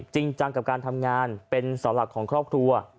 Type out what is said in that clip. จริงจังกับการทำงานเป็นเสาหลักของครอบครัว